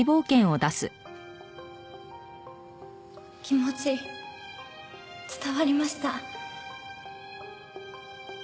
気持ち伝わりました。